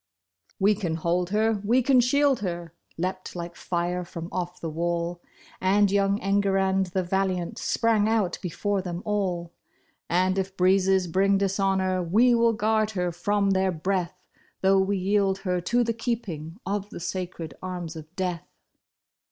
We can hold her, we can shield her," leaped like fire from off the wall. And young Enguerrand the valiant, sprang out be fore them all. "And if breezes bring dishonor, we will guard her from their breath. Though we yield her to the keeping of the sacred arms of Death."